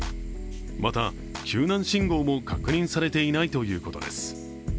また救難信号も確認されていないということです。